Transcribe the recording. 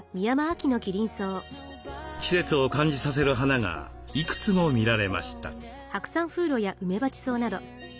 季節を感じさせる花がいくつも見られました。